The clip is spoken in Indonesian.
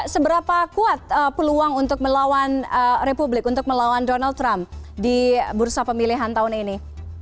seberapa kuat peluang untuk melawan republik untuk melawan donald trump di bursa pemilihan tahun ini